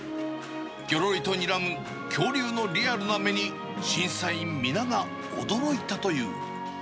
ぎょろりとにらむ恐竜のリアルな目に、審査員、皆が驚いたという。